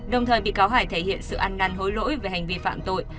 đồng thời bị cáo hải thể hiện sự ăn năn hối lỗi về hành vi phạm tội